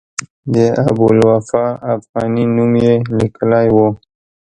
د ابوالوفاء افغاني نوم یې لیکلی و.